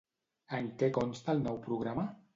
En què consta el nou programa?